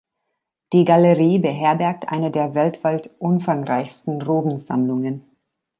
Die Galerie beherbergt eine der weltweit umfangreichsten Rubens-Sammlungen.